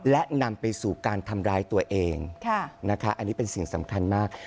และนำไปสู่การทำร้ายตัวเองนะคะอันนี้เป็นสิ่งสำคัญมาก